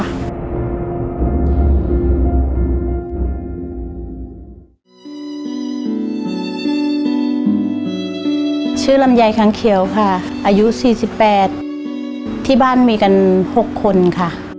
ชื่อลำไยค้างเขียวค่ะอายุ๔๘ที่บ้านมีกัน๖คนค่ะ